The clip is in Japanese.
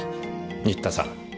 新田さん